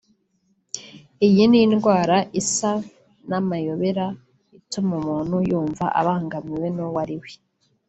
iyi ni indwara isa n’amayobera ituma umuntu yumva abangamiwe n’uwo ari we